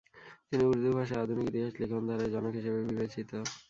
তিনি উর্দু ভাষায় আধুনিক ইতিহাস লিখনধারা'র জনক হিসেবে বিবেচিত।